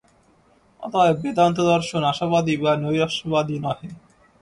অতএব বেদান্তদর্শন আশাবাদী বা নৈরাশ্যবাদী নহে।